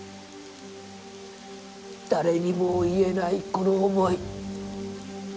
誰にも言えないこの思い。